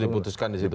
itu diputuskan di situ